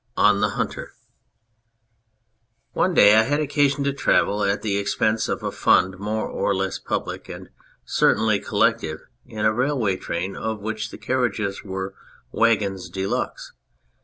242 THE HUNTER ONE day I had occasion to travel, at the expense of a fund more or less public, and certainly collective, in a railway train of which the carriages were wagons de luxe.